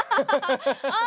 ハハハハ！